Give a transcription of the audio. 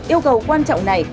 hỗ trợ các bộ ngành